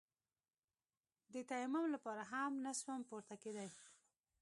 د تيمم لپاره هم نسوم پورته کېداى.